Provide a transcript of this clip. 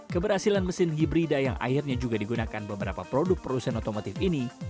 keberhasilan mesin hibrida yang akhirnya juga digunakan beberapa produk produsen otomotif ini